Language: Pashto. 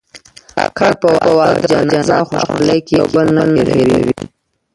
کاکړ په واده، جنازه او خوشحالۍ کې یو بل نه هېروي.